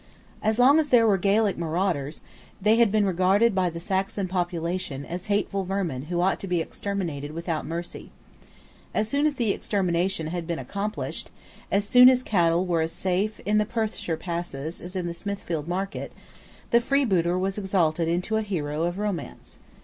As long as there were Gaelic marauders, they had been regarded by the Saxon population as hateful vermin who ought to be exterminated without mercy. As soon as the extermination had been accomplished, as soon as cattle were as safe in the Perthshire passes as in Smithfield market, the freebooter was exalted into a hero of romance.